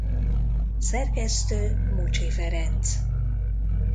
Szerkesztő Mucsi Ferenc.